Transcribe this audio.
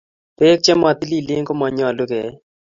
pek che matililen ko manyalun ke eee